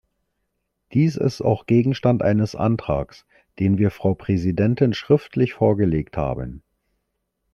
Dies ist auch Gegenstand eines Antrags, den wir der Frau Präsidentin schriftlich vorgelegt haben.